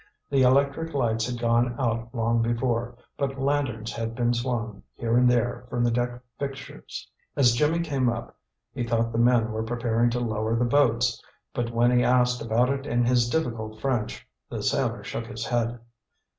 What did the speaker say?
The electric lights had gone out long before, but lanterns had been swung here and there from the deck fixtures. As Jimmy came up, he thought the men were preparing to lower the boats, but when he asked about it in his difficult French, the sailor shook his head.